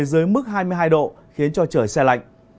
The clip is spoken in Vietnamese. dưới mức hai mươi hai độ khiến cho trời xe lạnh